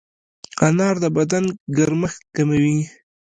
انار د بدن ګرمښت کموي.